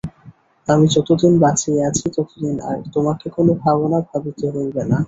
আমি যতদিন বাঁচিয়া আছি ততদিন আর তোমাকে কোনো ভাবনা ভাবিতে হইবে না।